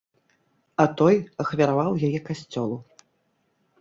А той ахвяраваў яе касцёлу.